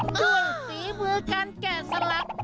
ด้วยสติเมล์การแกะสลัก